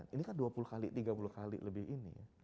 ini kan dua puluh kali tiga puluh kali lebih ini ya